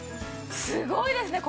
すごいですね！